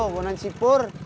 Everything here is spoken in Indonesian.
gue nanya si pur